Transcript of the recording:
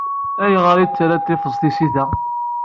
Ayeɣer i ttarrant ifeẓ tsita?